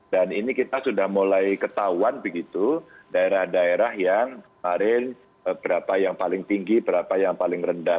dan ini kita sudah mulai ketahuan begitu daerah daerah yang kemarin berapa yang paling tinggi berapa yang paling rendah